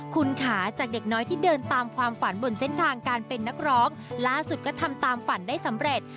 คุณค่ะจากเด็กน้อยที่เดินตามความฝันบนเส้นทางการเป็นนักร้องล่าสุดก็ทำตามฝันได้สำเร็จ